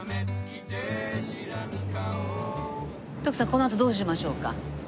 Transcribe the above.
このあとどうしましょうか？